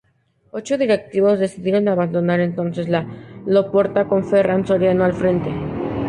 Ocho directivos decidieron abandonar entonces a Laporta con Ferran Soriano al frente.